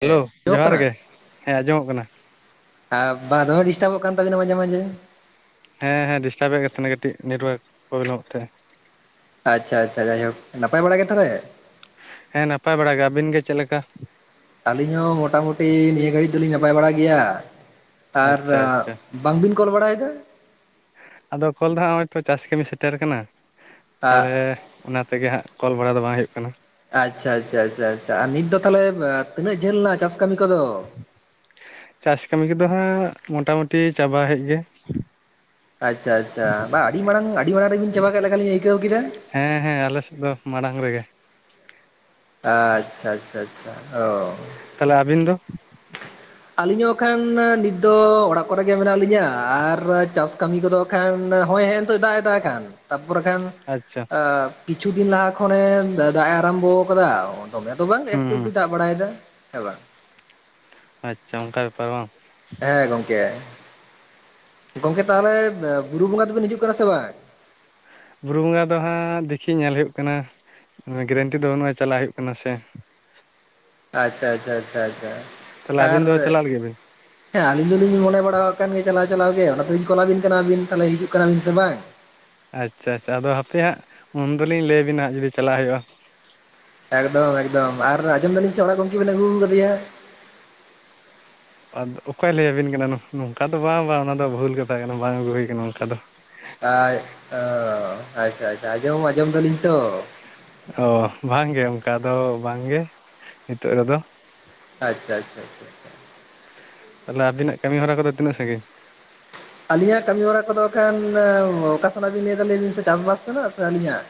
Hello ᱟᱸᱡᱚᱢᱚᱜ ᱡᱚᱦᱟᱨ ᱠᱟᱱᱟ ᱜᱮ, ᱦᱮᱸ ᱟᱸᱡᱚᱢᱚᱜ ᱠᱟᱱᱟ᱾ ᱮᱸ ᱵᱟ ᱫᱚᱢᱮ ᱰᱤᱥᱴᱟᱵᱚᱜ ᱠᱟᱱ ᱛᱟᱵᱮᱱᱟ ᱢᱟᱡᱷᱮ ᱢᱟᱡᱷᱮ᱾ ᱦᱮᱸ ᱦᱮᱸ ᱰᱤᱥᱴᱟᱵ ᱮᱫ ᱠᱟᱱ ᱛᱟᱦᱮᱱᱟ ᱠᱟᱹᱴᱤᱡ ᱱᱮᱴᱣᱟᱨᱠ ᱯᱨᱚᱵᱽᱞᱮᱢᱚᱜ ᱛᱟᱦᱮᱸ᱾ ᱟᱪᱪᱷᱟ ᱟᱪᱪᱷᱟ ᱡᱟᱭᱦᱳᱠ ᱱᱟᱯᱟᱭ ᱵᱟᱲᱟᱜ ᱜᱮ ᱛᱟᱦᱚᱞᱮ? ᱦᱮᱸ ᱱᱟᱯᱟᱭ ᱵᱟᱲᱟ ᱜᱮ, ᱟᱹᱵᱤᱱ ᱜᱮ ᱪᱮᱫ ᱞᱮᱠᱟ? ᱟᱹᱞᱤᱧ ᱦᱚᱸ ᱢᱚᱴᱟᱢᱩᱴᱤ ᱱᱤᱭᱟᱹ ᱜᱷᱟᱹᱲᱤᱡ ᱫᱚᱞᱤᱧ ᱱᱟᱯᱟᱭ ᱵᱟᱲᱟᱟᱜ ᱜᱮᱭᱟ᱾ ᱟᱨ ᱟᱪᱪᱷᱟ ᱟᱪᱪᱷᱟ ᱵᱟᱝᱵᱤᱱ ᱠᱚᱞ ᱵᱟᱲᱟᱭᱫᱟ? ᱟᱫᱚ ᱠᱚᱞ ᱫᱚ ᱦᱟᱸᱜ ᱦᱚᱸᱜᱼᱚᱭᱛᱚ ᱪᱟᱥ ᱠᱟᱹᱢᱤ ᱥᱮᱴᱮᱨᱟᱠᱟᱱᱟ, ᱛᱟᱞᱚᱞᱮ ᱚᱱᱟ ᱛᱮᱜᱮ ᱦᱟᱸᱜ ᱠᱚᱞ ᱵᱟᱲᱟ ᱫᱚ ᱵᱟᱝ ᱦᱩᱭᱩᱜ ᱠᱟᱱᱟ᱾ ᱟᱪᱷᱟ ᱟᱪᱷᱟ ᱟᱪᱷᱟ ᱟᱨ ᱱᱤᱛ ᱫᱚ ᱛᱟᱦᱚᱞᱮ ᱛᱤᱱᱟᱹᱜ ᱡᱷᱟᱹᱞ ᱮᱱᱟ ᱪᱟᱥ ᱠᱟᱹᱢᱤ ᱠᱚᱫᱚ ᱪᱟᱥ ᱠᱟᱹᱢᱤ ᱠᱚᱫᱚ ᱦᱟᱸᱜ ᱢᱳᱚᱴᱟᱢᱩᱴᱤ ᱪᱟᱵᱟ ᱦᱮᱡ ᱜᱮ ᱟᱪᱷᱟ ᱟᱪᱷᱟ ᱵᱟᱝ ᱟᱹᱰᱤ ᱢᱟᱲᱟᱝ ᱟᱹᱰᱤ ᱢᱟᱲᱟᱝ ᱨᱮᱵᱤᱱ ᱪᱟᱵᱟ ᱠᱮᱫ ᱞᱮᱠᱟᱤᱧ ᱟᱹᱭᱠᱟᱹᱣ ᱠᱮᱫᱟ ᱦᱮᱸ ᱦᱮᱸ ᱟᱞᱮᱥᱮᱫ ᱫᱚ ᱢᱟᱲᱟᱝ ᱨᱮᱜᱮ ᱟᱪᱷᱟ ᱟᱪᱷᱟ ᱟᱪᱷᱟ ᱚ ᱛᱟᱦᱚᱞᱮ ᱟᱹᱵᱤᱱ ᱫᱚ ᱟᱹᱞᱤᱧ ᱦᱚᱸ ᱠᱷᱟᱱ ᱱᱤᱛ ᱫᱚ ᱚᱲᱟᱜ ᱠᱚᱨᱮᱜ ᱜᱮ ᱢᱮᱱᱟᱜ ᱞᱤᱧᱟᱹ ᱟᱨ ᱪᱟᱥ ᱠᱟᱹᱢᱤ ᱠᱚᱫᱚ ᱠᱷᱟᱱ ᱦᱭ ᱦᱮᱸ ᱱᱛ ᱫᱟᱜ ᱮᱫᱟ ᱠᱷᱟᱱ ᱛᱟᱨᱯᱚᱨ ᱠᱷᱟᱱ ᱟᱪᱪᱷᱟ ᱟᱸᱻ ᱠᱤᱪᱷᱩ ᱫᱤᱱ ᱞᱟᱦᱟ ᱠᱷᱚᱱᱮ ᱫᱟᱜ ᱮ ᱟᱨᱟᱢᱵᱚ ᱠᱟᱫᱟ ᱫᱚᱢᱮ ᱫᱚ ᱵᱟᱝ ᱦᱩᱸ ᱮᱠᱴᱩ ᱦᱩᱸ ᱮᱠᱴᱩ ᱫᱟᱜ ᱵᱟᱲᱟᱭᱮᱫᱟ, ᱦᱮᱸ ᱵᱟᱝ? ᱟᱪᱷᱟ ᱚᱱᱠᱟ ᱵᱮᱯᱟᱨ ᱵᱟᱝ ᱦᱮᱸ ᱜᱚᱝᱠᱮ ᱜᱚᱢᱠᱮ ᱛᱟᱦᱚᱞᱮ ᱵᱩᱨᱩ ᱵᱚᱸᱜᱟ ᱫᱚᱵᱮᱱ ᱦᱤᱡᱩᱜ ᱠᱟᱱᱟ ᱥᱮ ᱵᱟᱝ ᱵᱩᱨᱩ ᱵᱚᱸᱜᱟ ᱫᱚ ᱦᱟᱸᱜ ᱫᱮᱠᱷᱤ ᱧᱮᱞ ᱦᱩᱭᱩᱜ ᱠᱟᱱᱟ ᱱᱚᱣᱟ ᱜᱮᱨᱮᱱᱴᱤ ᱫᱚ ᱵᱟᱹᱱᱩᱜ-ᱟ ᱪᱟᱞᱟᱜ ᱦᱩᱭᱩᱜ ᱠᱟᱱᱟ ᱥᱮ ᱟᱪᱪᱷᱟ ᱟᱪᱪᱷᱟ ᱟᱪᱪᱷᱟ ᱟᱪᱪᱷᱟ ᱛᱟᱦᱚᱞᱮ ᱟᱨ ᱟᱹᱵᱤᱱ ᱫᱚ ᱪᱟᱞᱟᱜ ᱞᱟᱹᱜᱤᱫ ᱵᱤᱱ ᱦᱮᱸ ᱟᱹᱞᱤᱧ ᱫᱚᱞᱤᱧ ᱢᱚᱱᱮ ᱵᱟᱲᱟ ᱟᱠᱟᱱ ᱜᱮᱭᱟ ᱪᱟᱞᱟᱣ ᱪᱟᱞᱟᱣ ᱜᱮ ᱚᱱᱟ ᱛᱮᱞᱤᱧ ᱠᱚᱞᱟᱵᱤᱱ ᱠᱟᱱᱟᱵᱤᱱ ᱛᱟᱦᱚᱞᱮ ᱦᱤᱡᱩᱜ ᱠᱟᱱᱟᱞᱤᱧ ᱥᱮ ᱵᱟᱝ ᱟᱪᱪᱷᱟ ᱟᱪᱪᱷᱟ ᱟᱫᱚ ᱦᱟᱯᱮ ᱦᱟᱸᱜ ᱩᱱ ᱫᱚᱞᱤᱧ ᱞᱟᱹᱭᱟᱤᱱᱟ ᱦᱟᱸᱜ ᱡᱩᱫᱤ ᱪᱟᱞᱟᱜ ᱦᱩᱭᱩᱜ-ᱟ ᱮᱠᱫᱚᱢ ᱮᱠᱫᱚᱢ ᱟᱨ ᱟᱸᱡᱚᱢ ᱫᱟᱹᱤᱧ ᱥᱮ ᱚᱲᱟᱜ ᱜᱚᱢᱠᱮ ᱵᱮᱱ ᱟᱹᱜᱩ ᱟᱠᱟᱫᱮᱭᱟ ᱟᱫᱚ ᱚᱠᱭ ᱞᱟᱹᱭᱟᱵᱤᱱ ᱠᱟᱱᱟ ᱱᱚᱝᱠᱟ ᱫᱚ ᱵᱟᱝ ᱵᱟᱝ ᱚᱱᱟ ᱫᱚ ᱵᱷᱩᱞ ᱠᱟᱛᱷᱟ ᱠᱟᱱᱟ ᱵᱟᱝ ᱟᱹᱜᱩ ᱦᱩᱭ ᱠᱟᱱᱟ ᱚᱱᱠᱟ ᱫᱚ ᱟᱭ ᱟᱪᱪᱷᱟ ᱟᱪᱪᱷᱟ ᱟᱸᱡᱚᱢ ᱟᱸᱡᱚᱢ ᱫᱟᱞᱤᱧ ᱛᱚ ᱚᱻ ᱵᱟᱝᱜᱮ ᱚᱱᱠᱟ ᱫᱚ ᱵᱟᱝᱜᱮ ᱱᱤᱛᱚᱜ ᱨᱮᱫᱚ ᱟᱪᱪᱷᱟ ᱟᱪᱪᱷᱟ ᱟᱪᱪᱷᱟ ᱛᱟᱦᱚᱞᱮ ᱟᱵᱱᱟᱜ ᱠᱟᱹᱢᱤ ᱦᱚᱨᱟ ᱠᱚᱫᱚ ᱛᱤᱱᱟᱹᱜ ᱥᱟᱺᱜᱤᱧ ᱟᱹᱞᱤᱧᱟᱜ ᱠᱟᱹᱢᱤ ᱦᱚᱨᱟ ᱠᱚᱫᱚ ᱮᱠᱷᱟᱱ ᱚᱠᱟᱥᱱᱟᱜ ᱵᱤᱱ ᱞᱟᱹᱭ ᱫᱟ ᱞᱮᱭᱟᱵᱤᱱ ᱥᱮ ᱪᱟᱥᱵᱟᱥ ᱥᱮᱱᱟᱜ ᱥᱮ ᱟᱹᱞᱤᱧᱟᱜ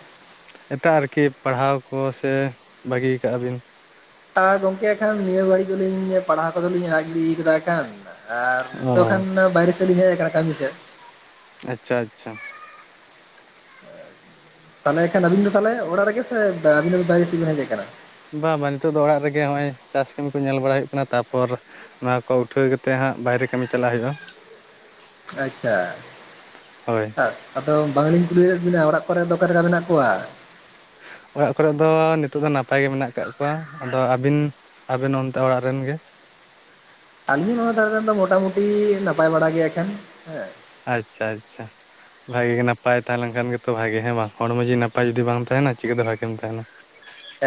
ᱮᱴᱟᱜ ᱟᱨᱠᱤ ᱯᱟᱲᱦᱟᱣ ᱠᱚ ᱥᱮ ᱵᱟᱹᱜᱤᱭᱟ ᱠᱟᱜ-ᱟ ᱵᱤᱱ [unintelligible] ᱟ ᱜᱚᱝᱠᱮ ᱮᱱᱠᱷᱟᱱ ᱱᱤᱭᱟᱹ ᱵᱟᱹᱲᱤᱡ ᱫᱚᱞᱤᱧ ᱯᱟᱲᱦᱟᱣ ᱠᱚᱫᱚ ᱞᱤᱧ ᱟᱲᱟᱜ ᱜᱤᱰᱤ ᱠᱟᱫᱟ ᱮᱱᱠᱷᱟᱱ ᱟᱨ ᱱᱤᱛᱚᱜ ᱠᱷᱟᱱ ᱚ ᱵᱟᱭᱨᱮ ᱥᱮᱫ ᱞᱤᱧ ᱦᱮᱡ ᱟᱠᱟᱱᱟ ᱠᱟᱹᱢᱤ ᱥᱮᱫ ᱟᱪᱪᱷᱟ ᱟᱪᱪᱷᱟ ᱦ [inaudible] ᱛᱟᱦᱚᱞᱮ ᱮᱠᱷᱟᱱ ᱟᱵᱤᱱ ᱫᱚ ᱛᱟᱦᱚᱞᱮ ᱚᱲᱟᱜ ᱨᱮᱜᱮ ᱥᱮ [unintelligible] ᱟᱹᱵᱤᱱ ᱵᱟᱭᱨᱮ ᱥᱮᱫ ᱵᱤᱱ ᱦᱮᱡ ᱟᱠᱟᱱᱟ ᱵᱟᱝ ᱵᱟᱝ ᱱᱤᱛᱚᱜ ᱫᱚ ᱚᱲᱟᱜ ᱨᱮᱜᱮ ᱱᱚᱜ-ᱚᱭ ᱪᱟᱥ ᱠᱟᱹᱢᱤ ᱠᱚ ᱧᱮᱞ ᱵᱟᱲᱟ ᱦᱩᱭᱩᱜ ᱠᱟᱱᱟ ᱛᱟᱯᱚᱨ ᱱᱚᱣᱟ ᱠᱚ ᱩᱴᱷᱟᱹᱣ ᱠᱟᱛᱮᱜ ᱦᱟᱸᱜ ᱵᱟᱭᱨᱮ ᱠᱟᱹᱢᱤ ᱪᱟᱞᱟᱜ ᱦᱩᱭᱩᱜ-ᱟ᱾ ᱟᱪᱪᱷᱟ ᱦᱳᱭ [unintelligible] ᱟᱫᱚ ᱵᱟᱝᱞᱤᱧ ᱠᱩᱞᱤᱭᱮᱫ ᱵᱤᱱᱟ ᱚᱲᱟᱜ ᱠᱚᱨᱮ ᱫᱚ ᱚᱠᱟ ᱞᱮᱠᱟ ᱢᱮᱱᱟᱜ ᱠᱚᱣᱟ᱾ ᱚᱲᱟᱜ ᱠᱚᱨᱮ ᱫᱚ ᱱᱤᱛᱚᱜ ᱫᱚ ᱱᱟᱯᱟᱭ ᱜᱮ ᱢᱮᱱᱟᱜ ᱠᱟᱜᱽ ᱠᱚᱣᱟ ᱟᱫᱚ ᱟᱹᱵᱤᱱ ᱟᱹᱵᱤᱱ ᱱᱚᱱᱛᱮ ᱚᱲᱟᱜ ᱨᱤᱱ ᱜᱮ ᱟᱞᱤᱧ ᱱᱚᱣᱟ ᱫᱷᱟᱨᱮ ᱨᱮᱱ ᱫᱚ ᱢᱚᱴᱟᱢᱩᱴᱤ ᱱᱟᱯᱟᱭ ᱵᱟᱲᱟ ᱜᱮᱭᱟ ᱮᱠᱷᱮᱱ ᱦᱮᱸ ᱟᱪᱪᱷᱟ ᱟᱪᱪᱷᱟ ᱵᱷᱟᱜᱮ ᱜᱮ ᱱᱟᱯᱟᱭ ᱛᱟᱦᱮᱸ ᱞᱮᱱᱠᱷᱟᱱ ᱜᱮᱛᱚ ᱵᱷᱟᱜᱮ ᱦᱮᱸ ᱵᱟᱝ ᱦᱚᱲᱢᱚ ᱡᱤᱣᱤ ᱱᱟᱯᱟᱭ ᱡᱩᱫᱤ ᱵᱟᱝ ᱛᱟᱦᱮᱱᱟ ᱪᱤᱠᱟᱹᱛᱮ ᱵᱷᱟᱜᱮᱢ ᱛᱟᱦᱮᱱᱟ᱾